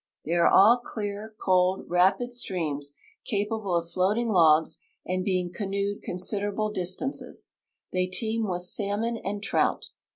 Tliey are all clear, cold, rapid streams, capable of floating logs and being canoed considerable distances. They teem with sal mon and trout.